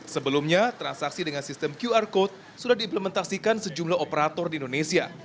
sebelumnya transaksi dengan sistem qr code sudah diimplementasikan sejumlah operator di indonesia